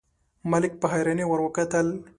ملک په حيرانۍ ور وکتل: